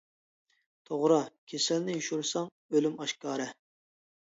توغرا، «كېسەلنى يوشۇرساڭ، ئۆلۈم ئاشكارا» .